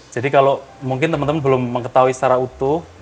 jadi kalau mungkin teman teman belum mengetahui secara utuh